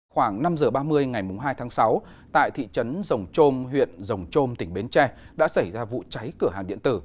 khoảng năm h ba mươi ngày hai tháng sáu tại thị trấn rồng trôm huyện rồng trôm tỉnh bến tre đã xảy ra vụ cháy cửa hàng điện tử